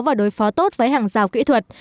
và đối phó tốt với hàng rào kỹ thuật